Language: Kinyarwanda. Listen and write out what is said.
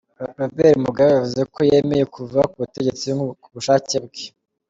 Robert Mugabe yavuze ko yemeye kuva k'ubutegetsi k'ubushake bwe.